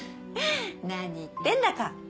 何言ってんだか。